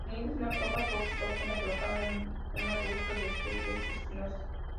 El nido es una copa poco profunda colocado en un arbusto de especies espinosas.